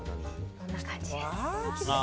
こんな感じで。